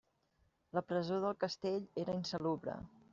La presó del castell era insalubre.